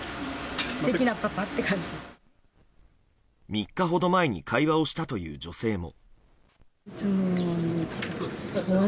３日ほど前に会話をしたという女性も。